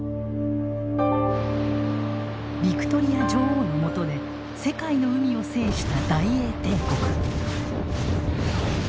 ヴィクトリア女王のもとで世界の海を制した大英帝国。